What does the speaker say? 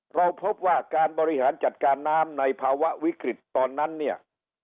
เราพบว่าการบริหารจัดการน้ำในภาวะวิกฤตตอนนั้นเนี่ย